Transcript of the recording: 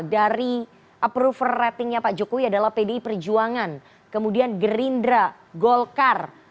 dari approval ratingnya pak jokowi adalah pdi perjuangan kemudian gerindra golkar